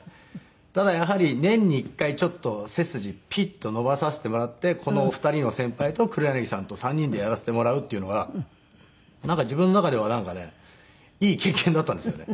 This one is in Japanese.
ただやはり年に１回ちょっと背筋ピッと伸ばさせてもらってこのお二人の先輩と黒柳さんと３人でやらせてもらうっていうのが自分の中ではなんかねいい経験だったんですよね。